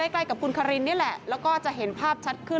ใกล้กับคุณคารินนี่แหละแล้วก็จะเห็นภาพชัดขึ้น